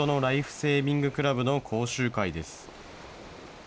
セービングクラブの講習会です。